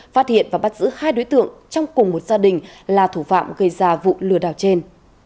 phát hiện và bắt giữ hai đối tượng trong cùng một gia đình là thủ phạm gây ra vụ lừa đảo trên